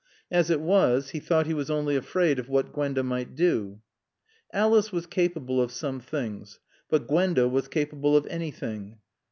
As it was, he thought he was only afraid of what Gwenda might do. Alice was capable of some things; but Gwenda was capable of anything.